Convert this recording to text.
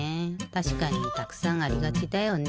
たしかにたくさんありがちだよね。